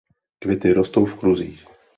Květy rostou v kruzích.